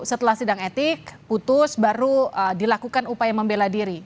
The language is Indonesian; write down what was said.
setelah sidang etik putus baru dilakukan upaya membela diri